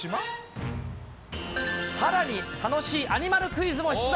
さらに、楽しいアニマルクイズも出題。